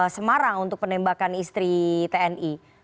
semarang untuk penembakan istri tni